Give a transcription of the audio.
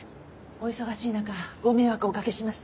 お忙しい中ご迷惑をおかけしました。